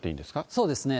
そうですね。